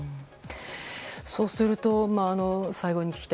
そうすると、最後に聞きたい